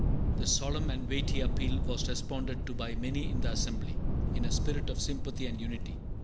This solemn and weighty appeal was responded to by many in the assembly, in a spirit of sympathy and unity.